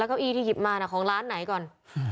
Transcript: แล้วก็อี้ที่หยิบมานะของร้านไหนก่อน